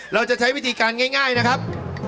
เราจะใช้วิธีการง่ายนะครับ